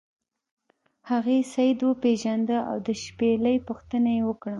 هغې سید وپیژنده او د شپیلۍ پوښتنه یې وکړه.